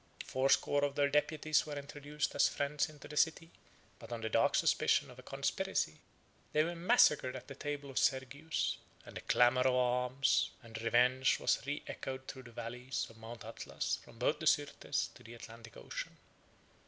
Fourscore of their deputies were introduced as friends into the city; but on the dark suspicion of a conspiracy, they were massacred at the table of Sergius, and the clamor of arms and revenge was reechoed through the valleys of Mount Atlas from both the Syrtes to the Atlantic Ocean.